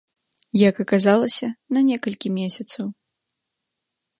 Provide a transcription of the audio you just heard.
Як аказалася, на некалькі месяцаў.